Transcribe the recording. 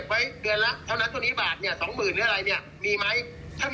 เพราะฉะนั้นประเด็นก็ต้องรู้ว่า